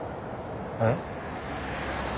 えっ。